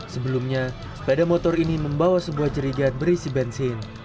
sebelumnya sepeda motor ini membawa sebuah jerigat berisi bensin